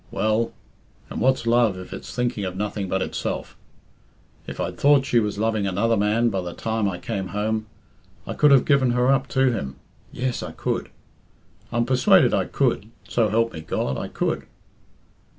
Well, and what's love if it's thinking of nothing but itself? If I'd thought she was loving another man by the time I came home, I could have given her up to him yes, I could; I'm persuaded I could so help me God, I could."